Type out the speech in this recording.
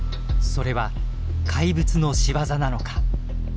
それは怪物の仕業なのか。